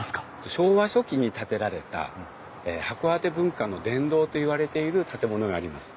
昭和初期に建てられた函館文化の殿堂といわれている建物があります。